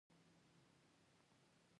دوی شاید جنجال جوړ کړي.